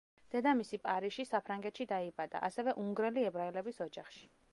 დედამისი პარიზში, საფრანგეთში დაიბადა, ასევე უნგრელი ებრაელების ოჯახში.